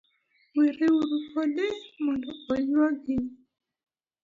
were uru kode mondo oyuagi